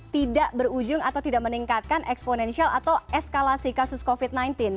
tidak berujung atau tidak meningkatkan eksponensial atau eskalasi kasus covid sembilan belas